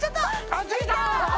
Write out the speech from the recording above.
あっついた！